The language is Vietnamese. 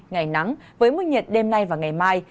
ngày nắng với mức nhiệt đêm nay và ngày mai